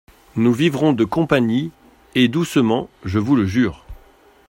Nous vivrons de compagnie, et doucement, je vous le jure.